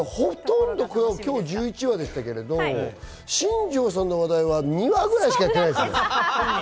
今日１１話でしたけど、新庄さんの話題は２話ぐらいしかやってないですね。